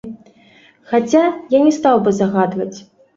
Хаця, я не стаў бы загадваць.